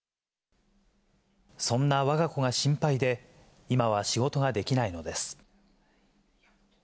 そんなわが子が心配で、今は仕事ができないのです。